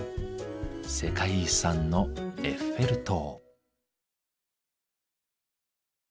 世界遺産のエッフェル塔。